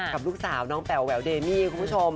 กับลูกสาวน้องแป๋วแหววเดมี่คุณผู้ชม